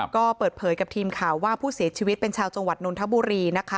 ก็เปิดเผยกับทีมข่าวว่าผู้เสียชีวิตเป็นชาวจังหวัดนนทบุรีนะคะ